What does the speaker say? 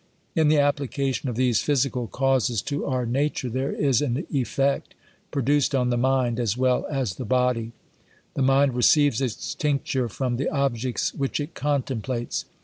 In the application of these physical causes to our na ture, there is an effect produced on the mind, as well as tjie body. The mind receives its tincture from the objects which it contemplates.